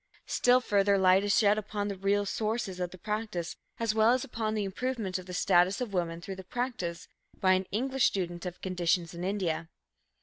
Still further light is shed upon the real sources of the practice, as well as upon the improvement of the status of woman through the practice, by an English student of conditions in India.